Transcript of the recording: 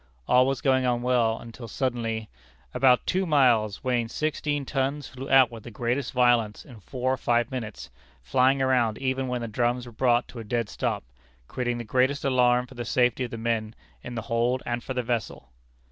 All was going on well, until suddenly, "about two miles, weighing sixteen tons, flew out with the greatest violence in four or five minutes, flying round even when the drums were brought to a dead stop, creating the greatest alarm for the safety of the men in the hold and for the vessel."